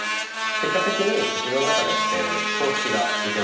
結果的に自分の中で等式が出来ました。